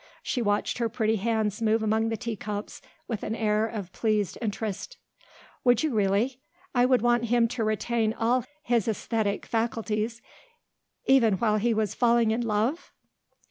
She watched her pretty hands move among the teacups with an air of pleased interest. "Would you really? You would want him to retain all his æsthetic faculties even while he was falling in love?